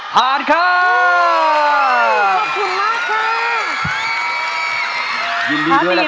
ผ่านคือ